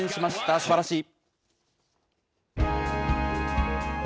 すばらしい。